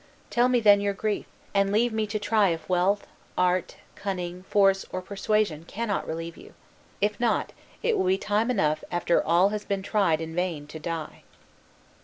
Tell me, then, your grief, and leave me to try if wealth, art, cunning, force, or persuasion cannot relieve you. If not, it will be time enough after all has been tried in vain to die."